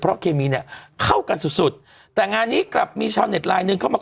เพราะเคมีเนี่ยเข้ากันสุดสุดแต่งานนี้กลับมีชาวเน็ตไลน์หนึ่งเข้ามา